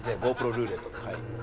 ルーレットで。